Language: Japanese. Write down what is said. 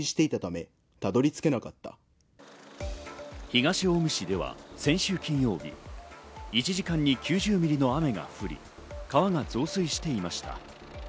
東近江市では先週金曜日、１時間に９０ミリの雨が降り、川が増水していました。